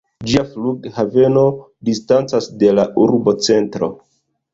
Ĝia flughaveno distancas de la urbocentro.